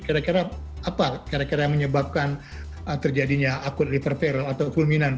kira kira apa kira kira yang menyebabkan terjadinya acutely perviral atau fulminant